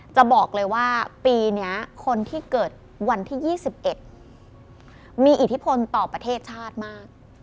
จะบอกเลยว่าปีนี้คนที่เกิดวันที่๒๑มีอิทธิพลต่อประเทศชาติมาก